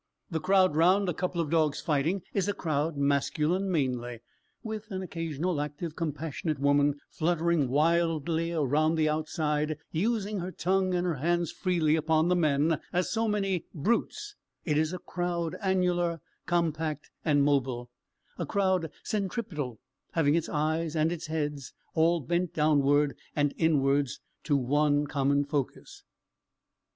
The crowd round a couple of dogs fighting, is a crowd masculine mainly, with an occasional active, compassionate woman, fluttering wildly round the outside, and using her tongue and her hands freely upon the men, as so many "brutes;" it is a crowd annular, compact, and mobile; a crowd centripetal, having its eyes and its heads all bent downwards and inwards, to one common focus.